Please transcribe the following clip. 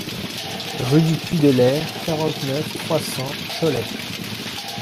Rue du Puits de l'Aire, quarante-neuf, trois cents Cholet